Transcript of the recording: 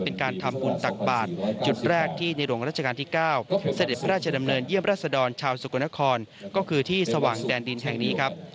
เป็นการทำบุญตักบาทจุดแรกที่ในหลวงราชการที่๙เสด็จพระราชดำเนินเยี่ยมราชดรชาวสกลนครก็คือที่สว่างแดนดินแห่งนี้ครับ